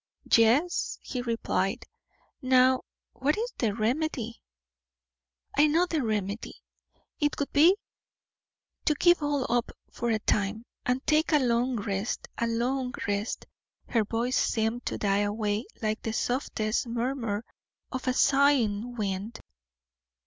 "Yes," he replied; "now, what is the remedy?" "I know the remedy. It would be to give all up for a time, and take a long rest a long rest," her voice seemed to die away like the softest murmur of a sighing wind.